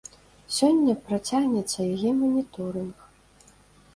Сёння працягнецца яе маніторынг.